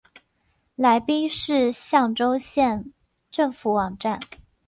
来宾市象州县政府网站